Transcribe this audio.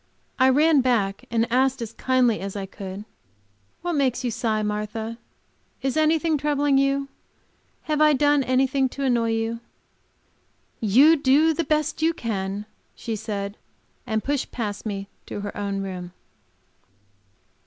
I ran back and asked, as kindly as I could, "What makes you sigh, Martha? Is anything troubling you? Have I done anything to annoy you?" "You do the best you can," she said, and pushed past me to her own room.